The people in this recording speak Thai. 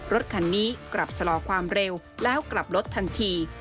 รถคันนี้กลับชะลอความเร็วแล้วกลับรถทันที